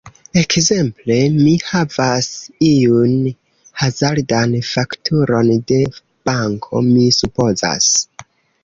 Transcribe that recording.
Ekzemple: mi havas iun hazardan fakturon de... banko mi supozas.